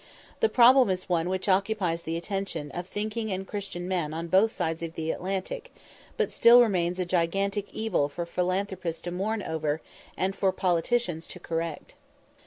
The problem is one which occupies the attention of thinking and Christian men on both sides of the Atlantic, but still remains a gigantic evil for philanthropists to mourn over, and for politicians to correct.